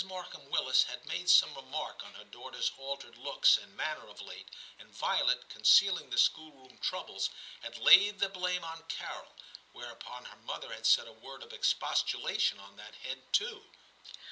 Markham Willis had made some remark on her daughter s altered looks and manner of late, and Violet, con cealing the schoolroom troubles, had laid the blame on Carol, whereupon her mother had said a word of expostulation on that head too.